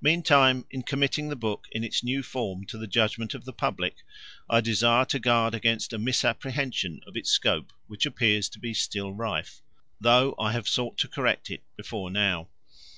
Meantime in committing the book in its new form to the judgment of the public I desire to guard against a misapprehension of its scope which appears to be still rife, though I have sought to correct it before now.